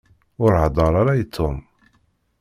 Ur heddeṛ ara i Tom.